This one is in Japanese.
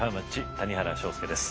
谷原章介です。